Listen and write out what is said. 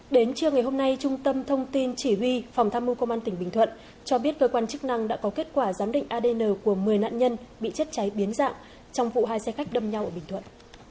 đến trưa ngày hôm nay trung tâm thông tin chỉ huy phòng tham mưu công an tỉnh bình thuận cho biết cơ quan chức năng đã có kết quả giám định adn của một mươi nạn nhân bị chết cháy biến dạng trong vụ hai xe khách đâm nhau ở bình thuận